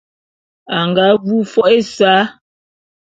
A nga vu fo’o ésa.